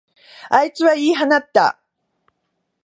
あいつは言い放った。